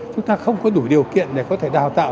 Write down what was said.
chúng ta không có đủ điều kiện để có thể đào tạo